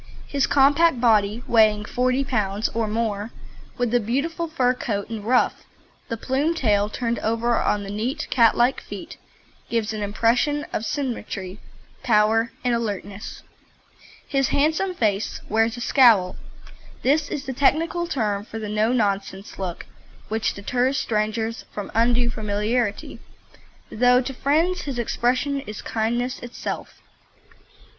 His compact body (weighing 40 lbs. or more), with the beautiful fur coat and ruff, the plume tail turned over on his back and almost meeting his neck ruff, the strong, straight legs and neat, catlike feet, gives an impression of symmetry, power, and alertness. His handsome face wears a "scowl." This is the technical term for the "no nonsense" look which deters strangers from undue familiarity, though to friends his expression is kindness itself.